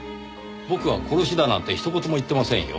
僕は殺しだなんてひと言も言ってませんよ。